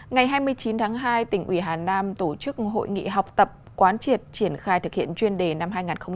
ngày hai mươi chín tháng hai tỉnh ủy hà nam tổ chức hội nghị học tập quán triệt triển khai thực hiện chuyên đề năm hai nghìn hai mươi bốn hai nghìn hai mươi năm